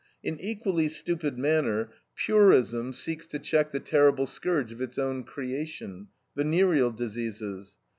In equally stupid manner purism seeks to check the terrible scourge of its own creation venereal diseases.